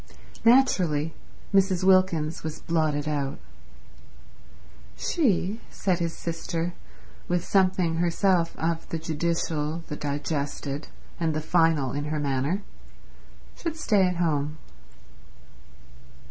Naturally Mrs. Wilkins was blotted out. "She," said his sister, with something herself of the judicial, the digested, and the final in her manner, "should stay at home."